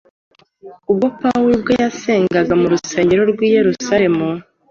ubwo Pawulo ubwe yasengeraga mu rusengero rw’i Yerusaremu,